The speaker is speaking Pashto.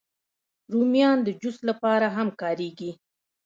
رومیان د جوس لپاره هم کارېږي